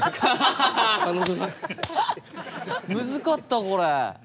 ムズかったこれ。